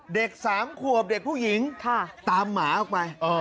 เด็ก๓ขวบเด็กผู้หญิงตามหมาออกไป